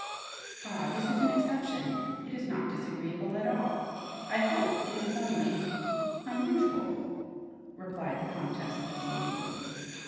"Ah, this is an exception! It is not disagreeable at all I hope. It is only unusual," replied the Comtesse de Saintville.